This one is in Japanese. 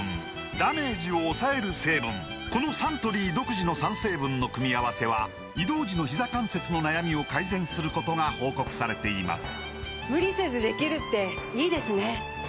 このサントリー独自の３成分の組み合わせは移動時のひざ関節の悩みを改善することが報告されています